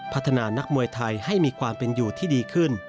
พัฒนานักมวยไทยให้มีความเป็นอยู่ที่ดีขึ้น